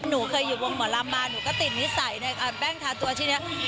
หนูเคยอยู่วงหมดลำบานหนูก็ติดนิสัยในการแบ้งทาตัวทีนี้